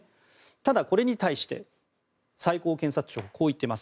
ただ、これに対して最高検察庁はこう言っています。